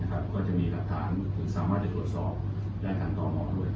ก็จะมีสามารถทดสอบยาทางต่อหมอด้วย